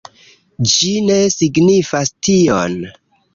Ĝi ne signifas tion.